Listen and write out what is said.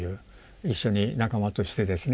一緒に仲間としてですね